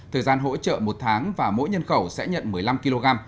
thời gian hỗ trợ một tháng và mỗi nhân khẩu sẽ nhận một mươi năm kg